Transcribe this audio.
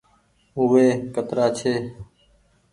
هوئي ڪترآ ڇي۔